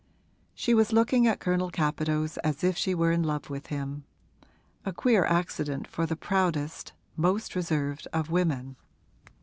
She was looking at Colonel Capadose as if she were in love with him a queer accident for the proudest, most reserved of women.